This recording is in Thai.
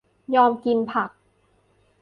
ยอมกินผัก